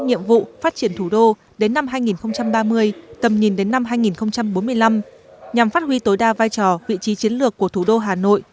nhiệm vụ phát triển thủ đô đến năm hai nghìn ba mươi tầm nhìn đến năm hai nghìn bốn mươi năm nhằm phát huy tối đa vai trò vị trí chiến lược của thủ đô hà nội